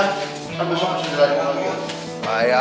sampai besok bisa jalanin lagi ya